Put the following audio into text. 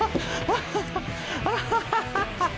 ハハハハ！